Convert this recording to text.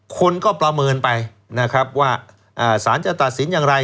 คนก็ประเมินไปนะครับว่าสารจะตัดสินอย่างไร